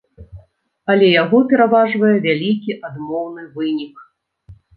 Але яго пераважвае вялікі адмоўны вынік!